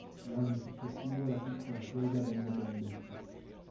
L'anno successivo la piccola chiesa venne benedetta.